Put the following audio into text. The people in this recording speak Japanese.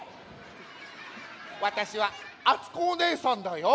わたしはあつこおねえさんだよ。